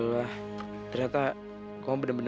pasti dia bisa menjatuhkan